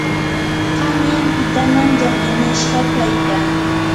qanyanpitanam llakinashqa kaykaa.